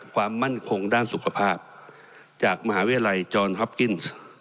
ความมั่นคงด้านสุขภาพจากมหาวิทยาลัยจอร์นฮอปกิ้น